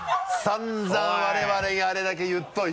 散々我々にあれだけ言っといて。